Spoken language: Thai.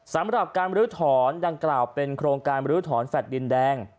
สำหรับการบริษฐรดังกล่าวเป็นโครงการบริษฐรแฟทดินแดง